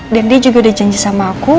dan dia juga udah janji sama aku